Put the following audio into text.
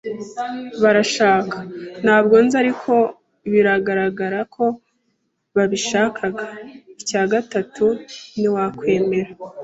barashaka? Ntabwo nzi, ariko biragaragara ko babishakaga. Icya gatatu, ntiwakwemera